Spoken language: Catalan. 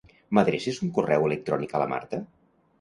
M'adreces un correu electrònic a la Marta?